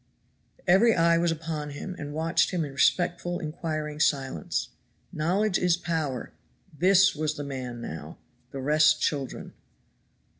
Every eye was upon him and watched him in respectful, inquiring silence. "Knowledge is power;" this was the man now, the rest children.